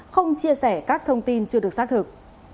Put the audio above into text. không chia sẻ các thông tin chưa được xác thực